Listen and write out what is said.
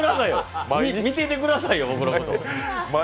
見ていてくださいよ、僕のこと。